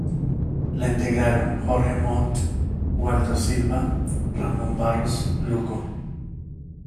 La integraron Jorge Montt, Waldo Silva, Ramón Barros Luco.